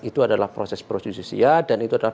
itu adalah proses prosesis ya dan itu adalah